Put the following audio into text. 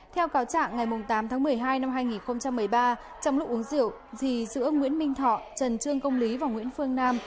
theo cáo trạng ngày tám tháng một mươi hai năm hai nghìn một mươi ba trong lúc uống rượu thì giữa nguyễn minh thọ trần trương công lý và nguyễn phương nam